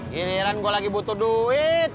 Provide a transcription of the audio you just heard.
gini gini gue lagi butuh duit